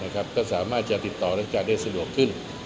ก็สามารถจะติดต่อราชการได้สะดวกขึ้น